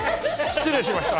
失礼しました！